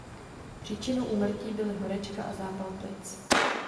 Příčinou úmrtí byly horečka a zápal plic.